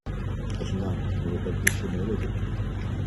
– Одна! Но вы так еще молоды.